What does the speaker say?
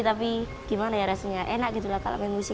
tapi rasanya enak kalau main musik